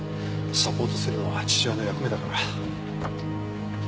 サポートするのは父親の役目だから。